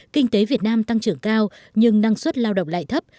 kinh tế việt nam tăng trưởng cao nhưng năng suất lao động lại thấp